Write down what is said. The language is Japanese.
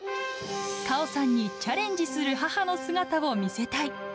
果緒さんにチャレンジする母の姿を見せたい。